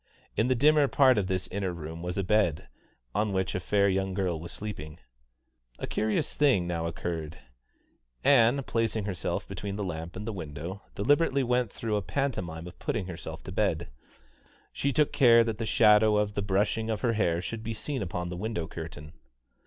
In the dimmer part of this inner room was a bed, on which a fair young girl was sleeping. A curious thing now occurred. Ann, placing herself between the lamp and the window, deliberately went through a pantomime of putting herself to bed. She took care that the shadow of the brushing of her hair should be seen upon the window curtain.